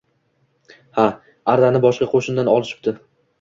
Ha, arrani boshqa qo‘shnidan olishibdi